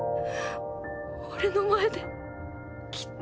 俺の前できっと。